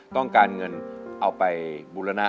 ต้องการเงินเอาไปบูรณะ